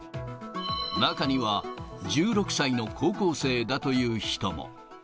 中には１６歳の高校生だという人も。